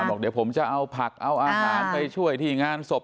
บอกเดี๋ยวผมจะเอาผักเอาอาหารไปช่วยที่งานศพ